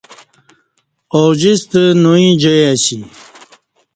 اوجستہ نوئی جائ اسی